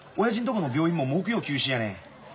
この病院も木曜休診やねん。